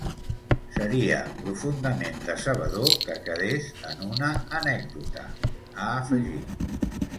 “Seria profundament decebedor que quedés en una anècdota”, ha afegit.